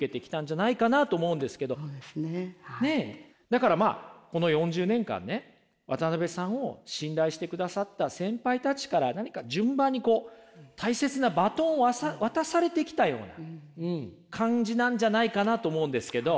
だからまあこの４０年間ね渡辺さんを信頼してくださった先輩たちから何か順番にこう大切なバトンを渡されてきたような感じなんじゃないかなと思うんですけど。